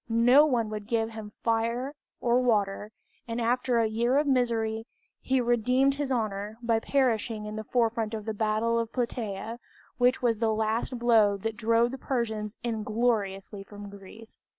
No one would give him fire or water, and after a year of misery, he redeemed his honor by perishing in the forefront of the battle of Plataea, which was the last blow that drove the Persians ingloriously from Greece.